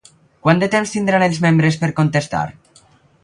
Quant de temps tindran els membres per contestar?